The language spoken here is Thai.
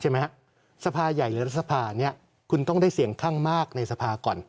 ใช่ไหมฮะทรภาใหญ่หรือทรภานี้คุณต้องได้เสี่ยงข้างมากในทรภาก่อน